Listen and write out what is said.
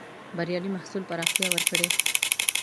بریالي محصول پراختيا ورکړې.